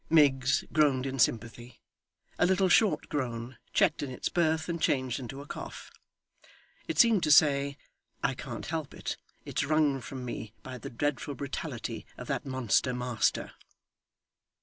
Miggs groaned in sympathy a little short groan, checked in its birth, and changed into a cough. It seemed to say, 'I can't help it. It's wrung from me by the dreadful brutality of that monster master.